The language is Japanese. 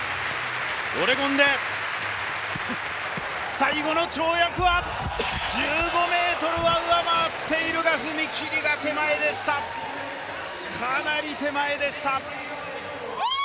オレゴンで最後の跳躍は１５ｍは上回っているが踏み切りが手前でした、かなり手前でした。